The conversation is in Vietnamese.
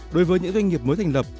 đối với những doanh nghiệp mới thành lập